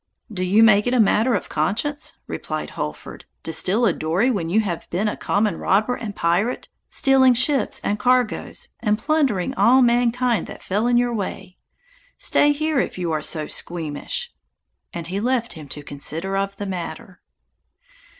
"Do you make it a matter of conscience," replied Holford, "to steal a dory, when you have been a common robber and pirate, stealing ships and cargoes, and plundering all mankind that fell in your way! Stay here if you are so squeamish?" and he left him to consider of the matter.